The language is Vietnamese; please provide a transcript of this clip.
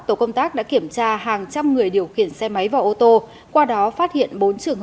tổ công tác đã kiểm tra hàng trăm người điều khiển xe máy vào ô tô